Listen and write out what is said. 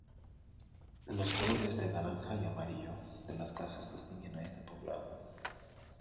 Los colores de naranja y amarillo de las casas distinguen a este poblado.